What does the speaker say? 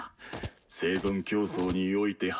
生存競争においてあ？